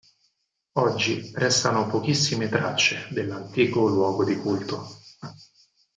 Oggi restano pochissime tracce dell'antico luogo di culto.